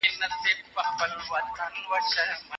دا اثار د بدلون نښې لري.